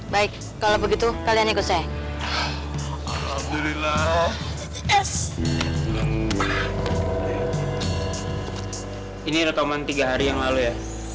baik kalau begitu kalian ikut saya alhamdulillah ini rekaman tiga hari yang lalu ya